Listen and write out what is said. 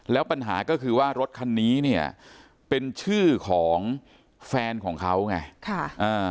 แล้วปัญหาก็คือว่ารถคันนี้เนี่ยเป็นชื่อของแฟนของเขาไงค่ะอ่า